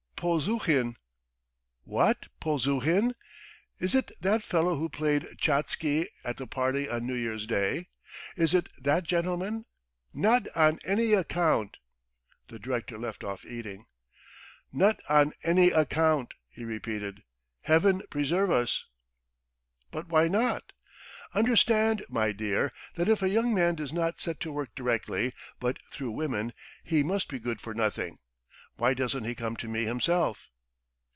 "Polzuhin!" "What Polzuhin? Is it that fellow who played Tchatsky at the party on New Year's Day? Is it that gentleman? Not on any account!" The director left off eating. "Not on any account!" he repeated. "Heaven preserve us!" "But why not?" "Understand, my dear, that if a young man does not set to work directly, but through women, he must be good for nothing! Why doesn't he come to me himself?"